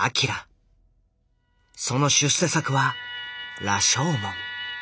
その出世作は「羅生門」。